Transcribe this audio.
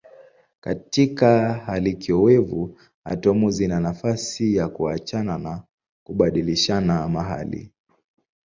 Katika hali kiowevu atomu zina nafasi ya kuachana na kubadilishana mahali.